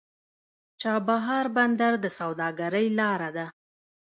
چابهار بندر د سوداګرۍ لار ده.